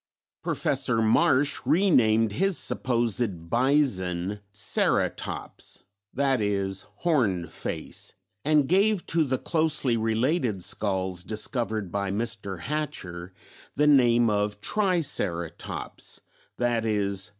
Professor Marsh re named his supposed bison "Ceratops" (i.e. "horned face") and gave to the closely related skulls discovered by Mr. Hatcher the name of Triceratops (_i.e.